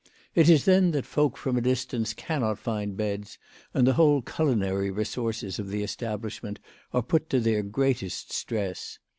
It is then that folk from a distance cannot find beds, and the whole culinary resources of the establishment are put to their greatest stress.